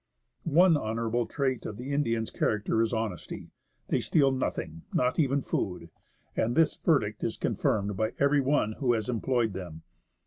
One honourable trait of the Indians' character is honesty. They steal nothing — not even food ; and this verdict is confirmed by every one who has employed them.